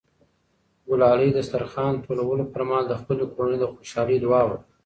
ګلالۍ د دسترخوان د ټولولو پر مهال د خپلې کورنۍ د خوشحالۍ دعا وکړه.